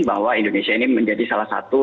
bahwa indonesia ini menjadi salah satu